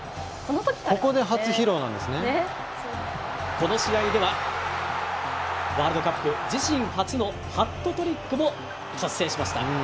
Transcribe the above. ここでこの試合ではワールドカップ自身初のハットトリックも達成しました。